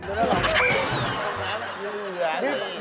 เหลือแล้วหรอ